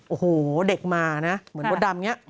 โอ้โหเด็กมานะเหมือนมดดำอย่างนี้